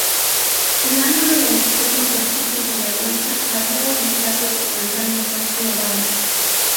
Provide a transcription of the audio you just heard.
El ángulo del extremo torcido de la lanza había aumentado levantando más la vara.